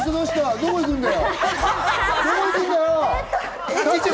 どこ行くんだよ！